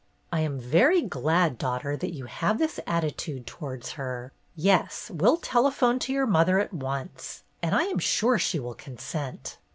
"I am very glad, daughter, that you have this attitude towards her. Yes, we 'll tele phone to your mother at once, and I am sure she will consent."